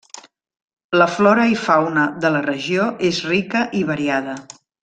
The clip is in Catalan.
La flora i fauna de la regió és rica i variada.